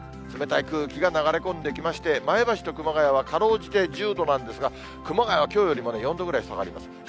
冷たい空気が流れ込んできまして、前橋と熊谷はかろうじて１０度なんですが、熊谷はきょうよりも４度ぐらい下がります。